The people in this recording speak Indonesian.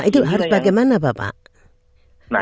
itu harus bagaimana bapak